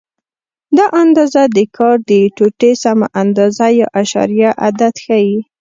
دا اندازه د کار د ټوټې سمه اندازه یا اعشاریه عدد ښیي.